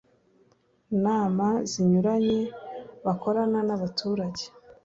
nama zinyuranye bakorana n abaturage